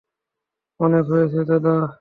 অনেক হয়েছে দাদা!